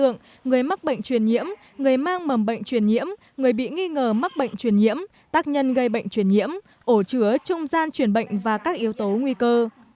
người mang mầm bệnh chuyển nhiễm người bị nghi ngờ mắc bệnh chuyển nhiễm tác nhân gây bệnh chuyển nhiễm ổ chứa trung gian chuyển bệnh và các yếu tố nguy cơ